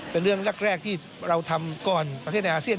เป็นเรื่องแรกที่เราทำก่อนประเทศในอาเซียน